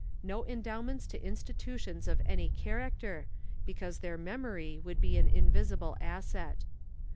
No endowments to institutions of any character, because their memory would be an invisible asset.